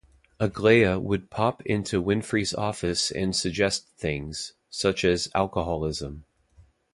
Aglaia would pop into Winfrey's office and suggest things, such as Alcoholism.